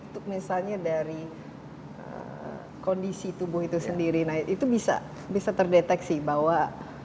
tapi dari misalnya dari kondisi tubuh itu sendiri itu bisa terdeteksi bahwa